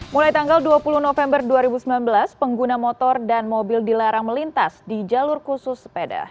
mulai tanggal dua puluh november dua ribu sembilan belas pengguna motor dan mobil dilarang melintas di jalur khusus sepeda